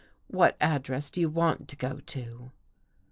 What address do you want to go to?